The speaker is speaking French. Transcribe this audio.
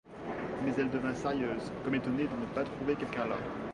Mais elle devint sérieuse, comme étonnée de ne pas trouver quelqu'un là.